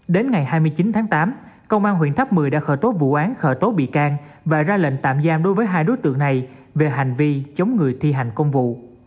đến ngày hai mươi chín tháng tám công an huyện tháp một mươi đã khởi tố vụ án khởi tố bị can và ra lệnh tạm giam đối với hai đối tượng này về hành vi chống người thi hành công vụ